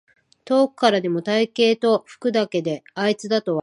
遠くからでも体型と服だけであいつだとわかる